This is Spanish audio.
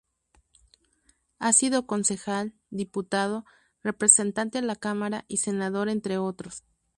Ha sido Concejal, Diputado, Representante a la Cámara, y Senador, entre otros.